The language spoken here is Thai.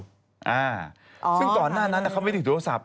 ซึ่งตอนหน้านั้นเค้าไม่ถือโทรศัพท์